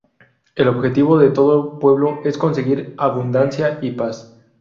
El objetivo de todo pueblo es conseguir abundancia y paz.